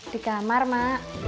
di kamar mak